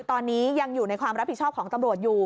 ตอนนี้ยังอยู่ในความรับผิดชอบของตำรวจอยู่